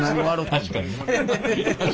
確かにな。